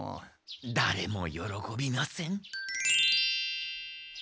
だれもよろこびません。